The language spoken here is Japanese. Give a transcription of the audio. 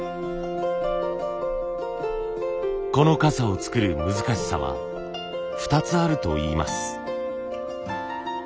この傘を作る難しさは２つあるといいます。